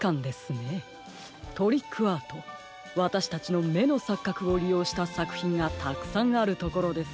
トリックアートわたしたちのめのさっかくをりようしたさくひんがたくさんあるところです。